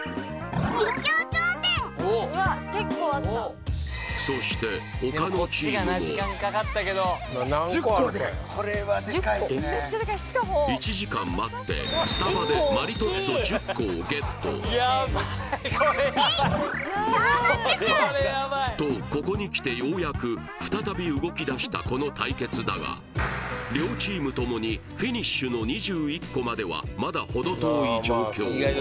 「人形町店」そして１時間待ってスタバでマリトッツォ１０個をゲット「えい！スターバックス」とここにきてようやく再び動き出したこの対決だが両チームともにフィニッシュの２１個まではまだほど遠い状況